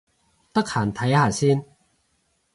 得閒睇下先